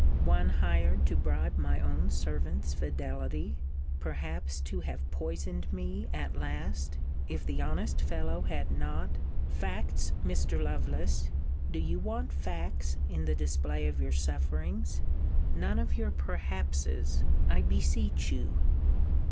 One hired to bribe my own servant's fidelity; perhaps to have poisoned me at last, if the honest fellow had not Facts, Mr. Lovelace! Do you want facts in the display of your sufferings? None of your perhaps's, I beseech you!